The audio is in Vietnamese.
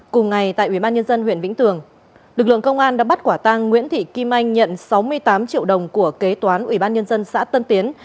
cùng ngày tại ubnd huyện vĩnh tường đcn đã bắt quả tang nguyễn thị kim anh nhận sáu mươi tám triệu đồng của kế toán ubnd xã tân tiến